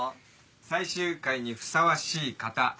最終回にふさわしい方。